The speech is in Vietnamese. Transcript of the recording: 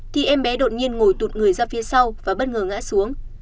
thì em bé đột nhiên ngồi tụt người ra phía sau và bất ngờ ngã xuống